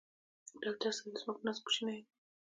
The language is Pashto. ډاکټر صېبې زما په نس کوچینی دی